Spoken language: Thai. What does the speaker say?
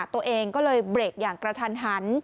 ตัวเองก็เลยเบรกอย่างกระทันหัน